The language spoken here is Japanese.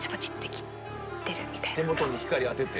手元に光当てて。